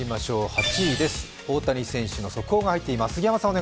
８位です、大谷選手の速報が入っています。